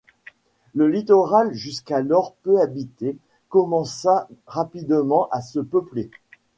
Le littoral jusqu'alors peu habité commença rapidement à se peupler.